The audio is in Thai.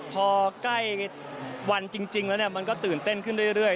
พอใกล้วันจริงแล้วมันก็ตื่นเต้นขึ้นเรื่อย